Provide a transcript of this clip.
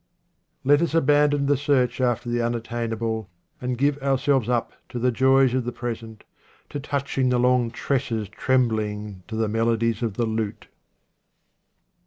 Let us abandon the search after the unattain able, and give ourselves up to the joys of the present, to touching the long tresses trembling to the melodies of the lute.